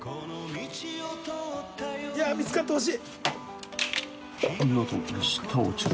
い見つかってほしい。